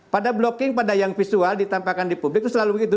pada blocking pada yang visual ditampakkan di publik itu selalu begitu